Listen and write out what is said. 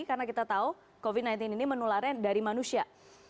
karena kita tahu covid sembilan belas ini menularnya dari manusia